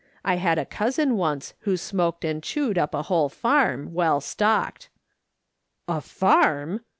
I had a cousin, once, who smoked and chewed up a whole farm, well stocked." " A farm